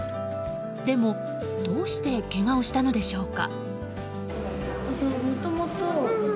でも、どうしてけがをしたのでしょうか。